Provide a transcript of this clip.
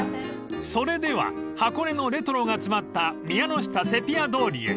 ［それでは箱根のレトロが詰まった宮ノ下セピア通りへ］